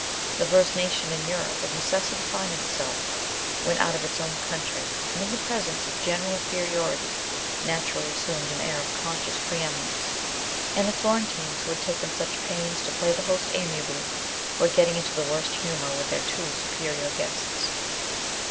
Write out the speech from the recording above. The first nation in Europe, of necessity finding itself, when out of its own country, in the presence of general inferiority, naturally assumed an air of conscious pre eminence; and the Florentines, who had taken such pains to play the host amiably, were getting into the worst humour with their too superior guests.